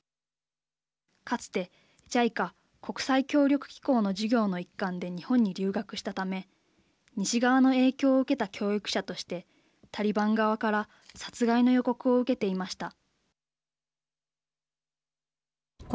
かつてＪＩＣＡ＝国際協力機構の事業の一環で日本に留学したため西側の影響を受けた教育者としてタリバン側から殺害の予告を受けていました。